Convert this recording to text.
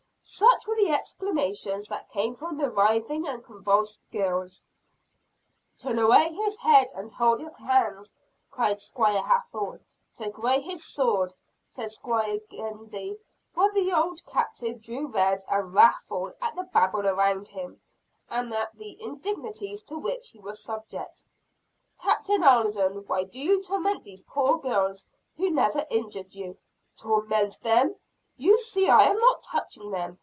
Such were the exclamations that came from the writhing and convulsed girls. "Turn away his head! and hold his hands!" cried Squire Hathorne. "Take away his sword!" said Squire Gedney while the old Captain grew red and wrathful at the babel around him, and at the indignities to which he was subject. "Captain Alden, why do you torment these poor girls who never injured you?" "Torment them! you see I am not touching them.